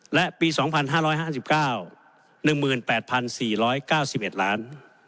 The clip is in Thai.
และปี๒๕๕๙๑๘๔๙๑ล้าน